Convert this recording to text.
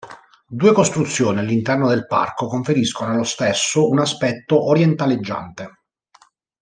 Due costruzioni all'interno del parco conferiscono allo stesso un aspetto orientaleggiante.